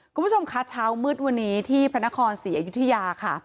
คุณผู้ชมคะเช้ามืดวันนี้ที่พระนครศรีอยุธยาค่ะ